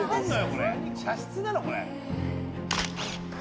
これ。